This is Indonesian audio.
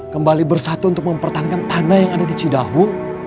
kembali bersatu untuk mempertahankan tanah yang ada di cidahu